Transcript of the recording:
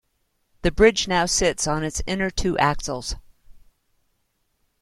The bridge now sits on its inner two axles.